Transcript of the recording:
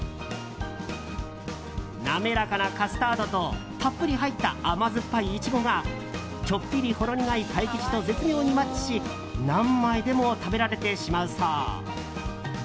滑らかなカスタードとたっぷり入った甘酸っぱいイチゴがちょっぴりほろ苦いパイ生地と絶妙にマッチし何枚でも食べられてしまうそう。